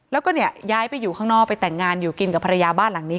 แล้วก็เนี่ยย้ายไปอยู่ข้างนอกไปแต่งงานอยู่กินกับภรรยาบ้านหลังนี้